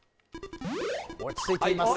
落ち着いています。